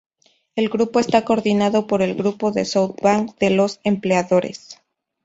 El grupo está coordinado por el Grupo de South Bank de los empleadores.